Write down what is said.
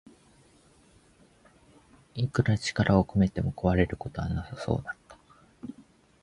いくら力を込めても壊れることはなさそうだった